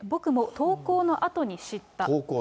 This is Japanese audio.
投稿のあとに知った。